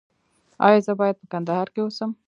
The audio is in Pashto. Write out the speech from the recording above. ایا زه باید په کندهار کې اوسم؟